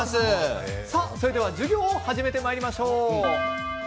それでは授業を始めてまいりましょう。